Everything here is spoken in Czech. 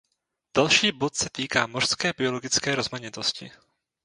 Další bod se týká mořské biologické rozmanitosti.